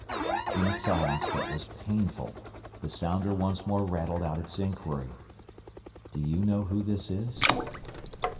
In a silence that was painful the sounder once more rattled out its inquiry, "Do you know who this is?"